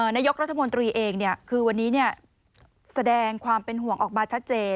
นายกรัฐมนตรีเองคือวันนี้แสดงความเป็นห่วงออกมาชัดเจน